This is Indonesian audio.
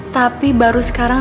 tapi baru sekarang